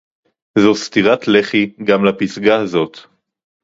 זו סטירת לחי גם לפסגה הזאת